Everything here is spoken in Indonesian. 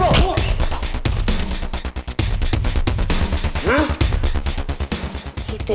malas berusaha namakan perbuah